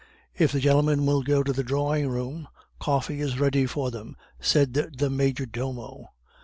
"If the gentlemen will go to the drawing room, coffee is ready for them," said the major domo.